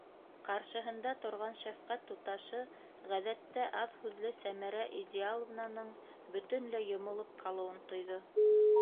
Ҡаршыһында торған шәфҡәт туташы ғәҙәттә аҙ һүҙле Сәмәрә Идеаловнаның бөтөнләй йомолоп ҡалыуын тойҙо.